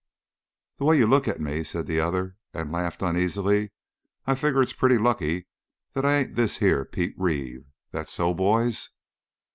"The way you look at me," said the other and laughed uneasily, "I figure it's pretty lucky that I ain't this here Pete Reeve. That so, boys?"